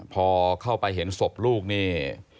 พอเข้าไปเห็นศพลูกนี่